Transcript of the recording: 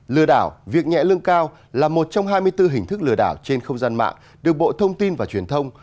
lừa đảo việc nhẹ lương cao là một trong hai mươi bốn hình thức lừa đảo trên không gian mạng được bộ thông tin và truyền thông